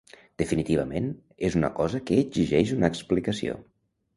Definitivament, és una cosa que exigeix una explicació.